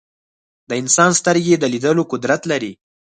د انسان سترګې د لیدلو قدرت لري.